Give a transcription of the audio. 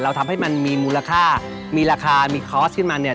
ทำให้มันมีมูลค่ามีราคามีคอร์สขึ้นมาเนี่ย